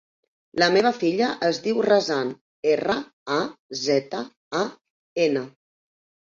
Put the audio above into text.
La meva filla es diu Razan: erra, a, zeta, a, ena.